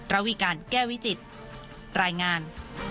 ระวีการแก้วิจิตรายงาน